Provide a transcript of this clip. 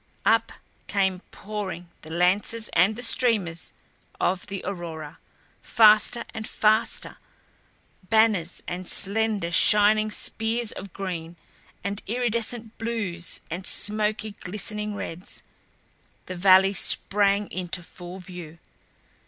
Up came pouring the lances and the streamers of the aurora; faster and faster, banners and slender shining spears of green and iridescent blues and smoky, glistening reds. The valley sprang into full view.